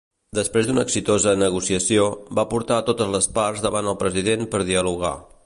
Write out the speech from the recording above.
Després d'una exitosa negociació, va portar a totes les parts davant el President per dialogar.